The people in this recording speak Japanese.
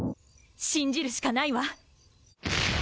信じるしかないわ！